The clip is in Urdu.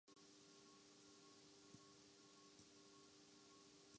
ملک میں بڑے بڑے کاروبار شروع کر رکھے ہیں